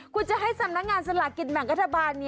คุณจะให้สำนักงานสลักิจแหม่งกระจบาร